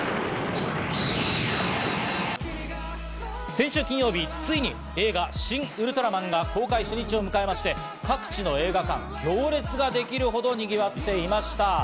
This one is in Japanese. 先週金曜日、ついに映画『シン・ウルトラマン』が公開初日を迎えまして、各地の映画館、行列ができるほどにぎわっていました。